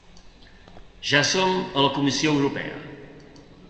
Ja som a la comissió europea!